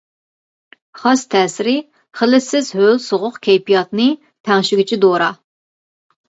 خاس تەسىرى خىلىتسىز ھۆل سوغۇق كەيپىياتنى تەڭشىگۈچى دورا.